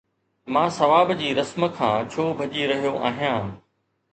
مان ثواب جي رسم کان ڇو ڀڄي رهيو آهيان!